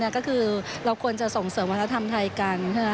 ก็คือเราควรจะส่งเสริมวัฒนธรรมไทยกัน